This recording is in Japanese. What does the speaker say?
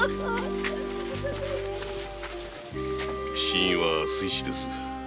死因は水死です。